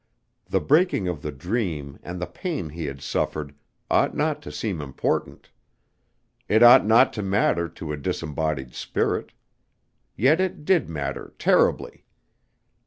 The breaking of the dream and the pain he had suffered ought not to seem important. It ought not to matter to a disembodied spirit. Yet it did matter terribly.